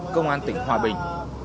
công an tỉnh hòa bình